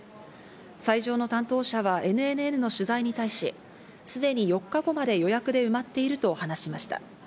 斎場の担当者はＮＮＮの取材に対し、すでに４日後まで予約で埋まっていると話しました。